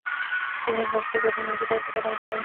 তিনি ভারতে প্রধানমন্ত্রীর দায়িত্ব পালন করেন।